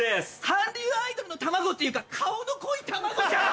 韓流アイドルの卵っていうか顔の濃い卵じゃん！